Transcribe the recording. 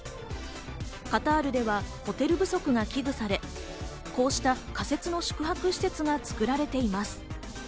カタールではホテル不足が危惧されこうした仮設の宿泊施設が作られています。